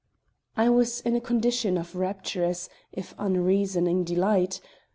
I was in a condition of rapturous, if unreasoning, delight.